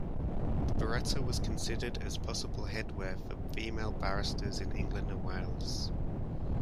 The biretta was considered as possible headwear for female barristers in England and Wales.